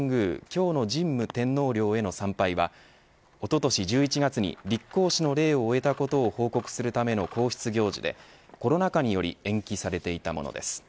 今日の神武天皇陵への参拝はおととしの１１月に立皇嗣の礼を終えたことを報告するための皇室行事でコロナ禍により延期されていたものです。